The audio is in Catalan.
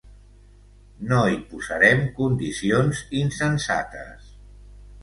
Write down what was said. No hi posarem condicions insensates.